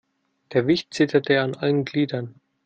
Der Wicht zitterte an allen Gliedern.